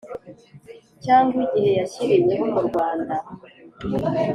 Cyangwa igihe yashyiriweho mu rwanda